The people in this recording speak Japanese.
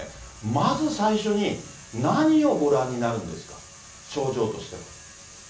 まず最初に、何をご覧になるんですか。症状として。